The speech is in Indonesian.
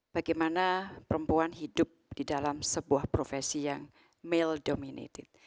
bagaimana perempuan hidup di dalam sebuah profesi yang mail dominated